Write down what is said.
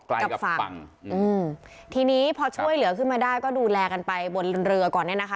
กับฝั่งอืมทีนี้พอช่วยเหลือขึ้นมาได้ก็ดูแลกันไปบนเรือก่อนเนี่ยนะคะ